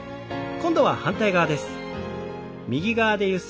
今度は反対側です。